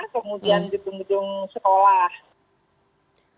kemudian di penghujung sekolah